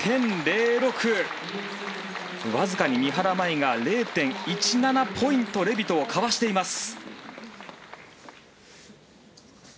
わずかに三原舞依が０．１７ポイントレビトをかわしています。